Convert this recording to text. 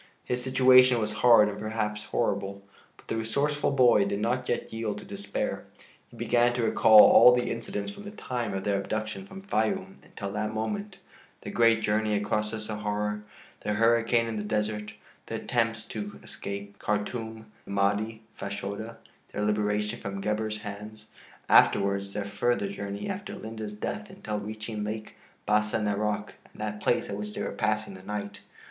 His situation was hard and perhaps horrible, but the resourceful boy did not yet yield to despair. He began to recall all the incidents, from the time of their abduction from Fayûm until that moment: the great journey across the Sahara, the hurricane in the desert, the attempts to escape, Khartûm, the Mahdi, Fashoda, their liberation from Gebhr's hands; afterwards the further journey after Linde's death until reaching Lake Bassa Narok and that place at which they were passing the night.